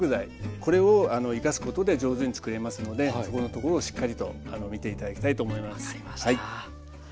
これを生かすことで上手につくれますのでそこのところをしっかりと見て頂きたいと思います。